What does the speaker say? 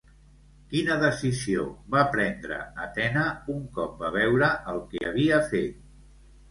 Quina decisió va prendre Atena un cop va veure el que havia fet?